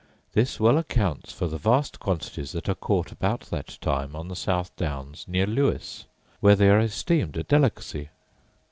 This well accounts for the vast quantities that are caught about that time on the south downs near Lewes, where they are esteemed a delicacy.